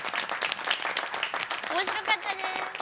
おもしろかったです。